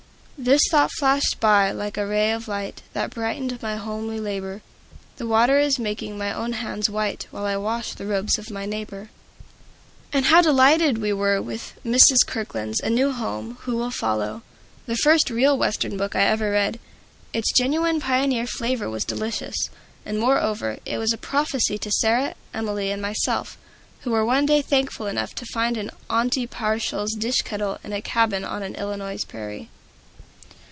This thought flashed by like a ray of light That brightened my homely labor: The water is making my own hands white While I wash the robes of my neighbor. And how delighted we were with Mrs. Kirkland's "A New Home: Who'll Follow?" the first real Western book I ever read. Its genuine pioneer flavor was delicious. And, moreover, it was a prophecy to Sarah, Emilie, and myself, who were one day thankful enough to find an "Aunty Parshall's dish kettle" in a cabin on an Illinois prairie.